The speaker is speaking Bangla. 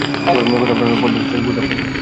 Good afternoon, Panshekar - good afternoon.